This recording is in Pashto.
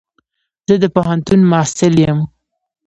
زه د پوهنتون محصل يم.